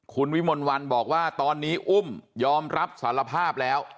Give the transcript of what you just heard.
คุณวิมลวันบอกว่าตอนนี้อุ้มยอมรับสารภาพแล้ว